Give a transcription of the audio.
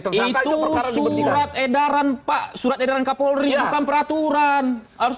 tertinggal beda redoneka power nya commercials